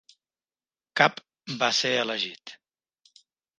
Cap va ser elegit.